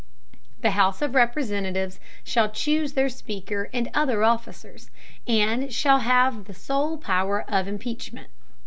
The House of Representatives shall chuse their Speaker and other Officers; and shall have the sole Power of Impeachment.